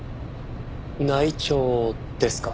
内調ですか。